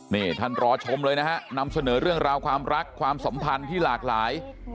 นี่ท่านรอชมเลยนะฮะนำเสนอเรื่องราวความรักความสัมพันธ์ที่หลากหลาย